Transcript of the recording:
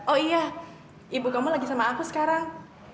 oh iya ibu kamu lagi sama aku sekarang